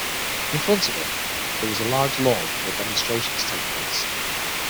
In front of it there is a large lawn where demonstrations take place.